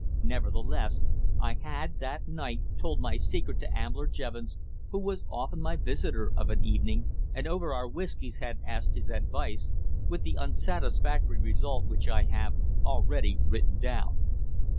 Nevertheless, I had that night told my secret to Ambler Jevons, who was often my visitor of an evening, and over our whiskies had asked his advice, with the unsatisfactory result which I have already written down.